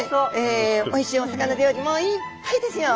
おいしいお魚料理もいっぱいですよ！